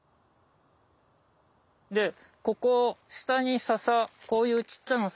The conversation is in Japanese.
でここ下にササこういうちっちゃなササありますよね。